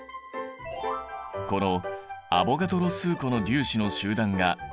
このアボガドロ数個の粒子の集団が１ｍｏｌ。